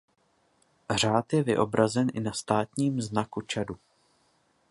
Řád je vyobrazen i na státním znaku Čadu.